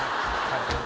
はい